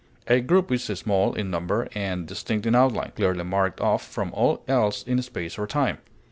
A group is small in number and distinct in outline, clearly marked off from all else in space or time.